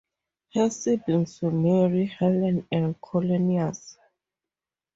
Her siblings were Mary, Helen, and Cornelius.